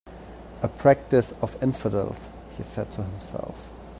"A practice of infidels," he said to himself.